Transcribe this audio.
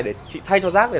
để chị thay đổi cho mọi người